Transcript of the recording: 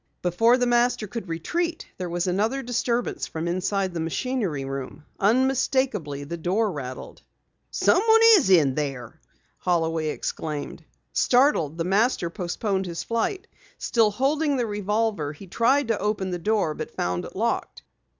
Before the Master could retreat, there was another disturbance from inside the machinery room. Unmistakably, the door rattled. "Someone is in there!" Holloway exclaimed. Startled, the Master postponed his flight. Still holding the revolver, he tried to open the door, but found it locked.